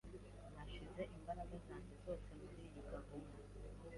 Nashyize imbaraga zanjye zose muriyi gahunda.